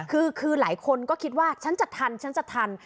คือหลายคนก็คิดว่าฉันจะทัน